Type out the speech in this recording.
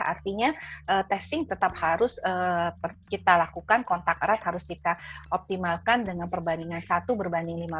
artinya testing tetap harus kita lakukan kontak erat harus kita optimalkan dengan perbandingan satu berbanding lima